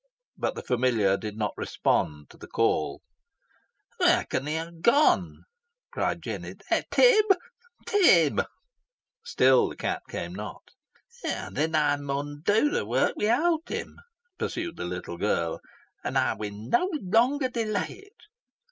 But the familiar did not respond to the call. "Where con he ha' gone?" cried Jennet; "Tib! Tib!" Still the cat came not. "Then ey mun do the wark without him," pursued the little girl; "an ey win no longer delay it."